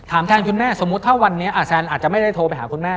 แทนคุณแม่สมมุติถ้าวันนี้แซนอาจจะไม่ได้โทรไปหาคุณแม่